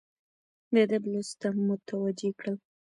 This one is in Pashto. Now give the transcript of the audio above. د ادب لوست ته متوجه کړل،